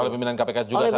oh pimpinan kpk juga saat ini